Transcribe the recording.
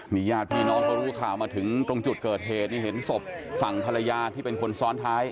ญาติพี่น้องเขารู้ข่าวมาถึงตรงจุดเกิดเหตุนี่เห็นศพฝั่งภรรยาที่เป็นคนซ้อนท้าย